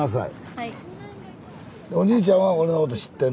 はい。